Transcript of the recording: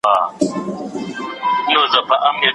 هغه کتاب چي تا راوړی د ادبي علومو په اړه دی.